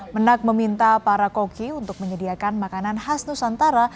menak meminta para koki untuk menyediakan makanan khas nusantara